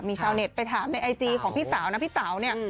มีชาวเน็ตไปถามในไอจีของพี่สาวนะพี่เต๋าเนี่ย